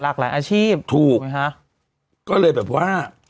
หลักหลายอาชีพถูกไหมครับสถูกก็เลยแบบว่า